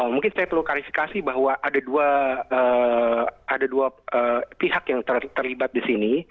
mungkin saya perlu klarifikasi bahwa ada dua pihak yang terlibat di sini